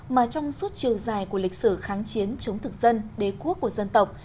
mà trong suốt chiều dài của lịch sử kháng chiến chống thực dân đế quốc của dân tộc